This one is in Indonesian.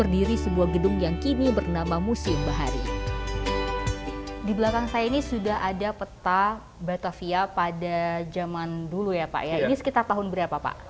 di belakang saya ini sudah ada peta batavia pada zaman dulu ya pak ya ini sekitar tahun berapa pak